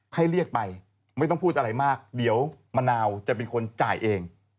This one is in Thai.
ให้เรียกไปไม่ต้องพูดอะไรมากเดี๋ยวมะนาวจะเป็นคนจ่ายเอง